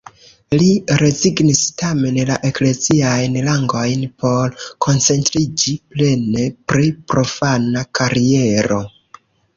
Li rezignis tamen la ekleziajn rangojn, por koncentriĝi plene pri profana kariero.